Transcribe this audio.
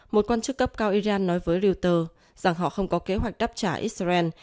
một quan chức cấp cao iran nói với reuters rằng họ không có kế hoạch đáp trả israel